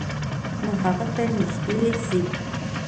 نو هغه ته نږدې شئ،